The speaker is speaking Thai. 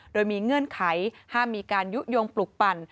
โดยมีเงื่อนไขห้ามมีการยุโยงปลุกปั่น